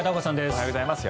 おはようございます。